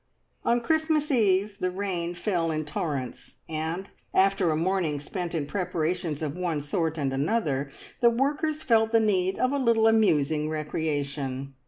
On Christmas Eve the rain fell in torrents, and, after a morning spent in preparations of one sort and another, the workers felt the need of a little amusing recreation.